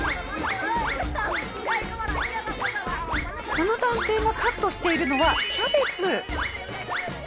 この男性がカットしているのは。